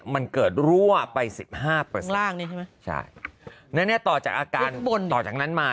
มันเกิดรั่วไป๑๕นั่นเนี่ยต่อจากอาการต่อจากนั้นมา